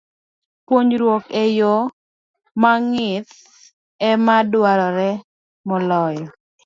Puonjruok e yo mong'ith ema dwarore moloyo.